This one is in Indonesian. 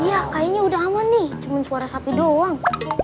ya kayaknya udah aman nih cuman suara sapi doang